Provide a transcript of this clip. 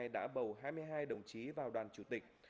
đã bầu hai mươi hai đồng chí vào đoàn chủ tịch